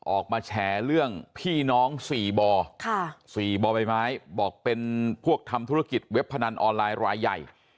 ออกมาแชร์เรื่องพี่น้องสี่บ่อสี่บ่อไม้ไม้บอกเป็นพวกทำธุรกิจเว็บพนันออนไลน์รายใหญ่